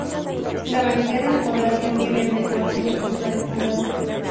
La mayoría de la población vive en el norte y el centro del condado.